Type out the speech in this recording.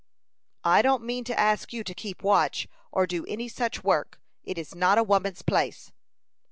"I don't mean to ask you to keep watch, or do any such work. It is not a woman's place."